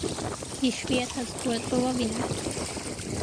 იშვიათად თუ ეწვევა ვინმე.